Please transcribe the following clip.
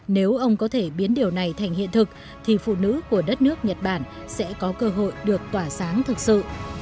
nếu ông có thể biến điều này thành hiện thực thì phụ nữ của đất nước nhật bản sẽ có cơ hội được tỏa sáng thực sự